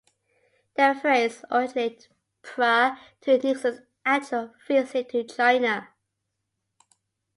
The phrase originated prior to Nixon's actual visit to China.